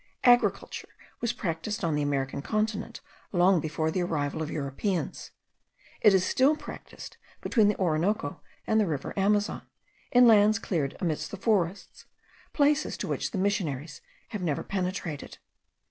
Agriculture was practised on the American continent long before the arrival of Europeans. It is still practised between the Orinoco and the river Amazon, in lands cleared amidst the forests, places to which the missionaries have never penetrated.